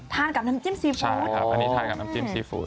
ทานกับน้ำจิ้มซีฟูด